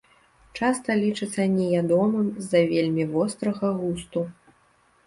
Часта лічыцца неядомым з-за вельмі вострага густу.